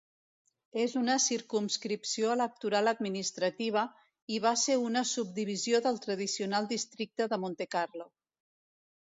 És una circumscripció electoral administrativa, i va ser una subdivisió del tradicional districte de Montecarlo.